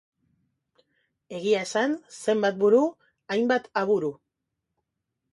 Egia esan, zenbat buru, hainbat aburu.